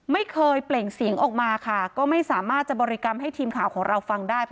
เปล่งเสียงออกมาค่ะก็ไม่สามารถจะบริกรรมให้ทีมข่าวของเราฟังได้